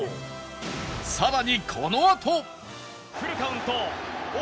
さらにこのあと！